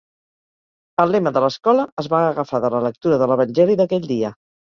El lema de l'escola es va agafar de la lectura de l'evangeli d'aquell dia.